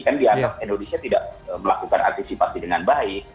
kan dianggap indonesia tidak melakukan antisipasi dengan baik